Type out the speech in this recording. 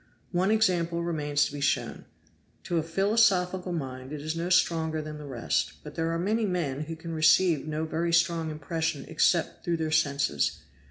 One example remains to be shown. To a philosophical mind it is no stronger than the rest; but there are many men who can receive no very strong impression except through their senses.